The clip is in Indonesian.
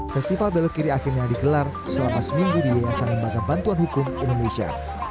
festival belok kiri akhirnya digelar selama seminggu di yayasan lembaga bantuan hukum indonesia